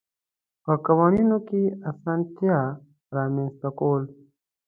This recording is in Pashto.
په قوانینو کې اسانتیات رامنځته کول.